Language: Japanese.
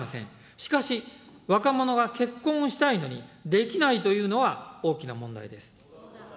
しかし、若者が結婚をしたいのにできないというのは大きな問題です。